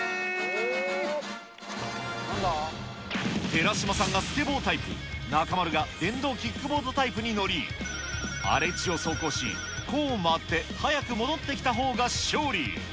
寺嶋さんがスケボータイプ、中丸が電動キックボードタイプに乗り、荒れ地を走行し、コーンを回って早く戻ってきた方が勝利。